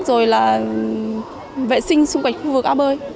rồi là vệ sinh xung quanh khu vực ao bơi